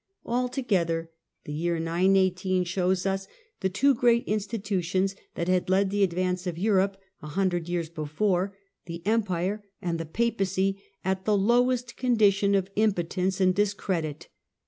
Altogether the year 918 shows us the two WESTERN EUROPE IN 900 A.D great institutions that had led the advance of Europe a hundred years before — the Empire and the Papacy — at the lowest condition of impotence and discredit.